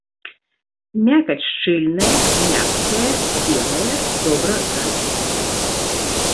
Мякаць шчыльная, мяккая, белая, добра развітая.